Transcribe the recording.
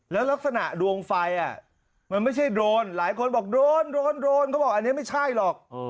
แล้วลักษณะดวงไฟมันไม่ใช่โดรนหลายคนบอกโดนเขาบอกอันนี้ไม่ใช่หรอก